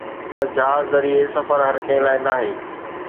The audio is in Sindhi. پر جهاز ذريعي سفر هر ڪنهن لاءِ ناهي.